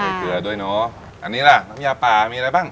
เกลือด้วยเนอะอันนี้ล่ะน้ำยาป่ามีอะไรบ้าง